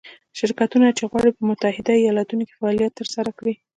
شرکتونه چې غواړي په متحده ایالتونو کې فعالیت ترسره کړي.